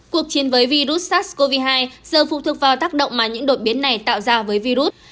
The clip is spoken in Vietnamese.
cuộc chiến với virus sars cov hai giờ phụ thuộc vào tác động mà những đột biến này tạo ra với virus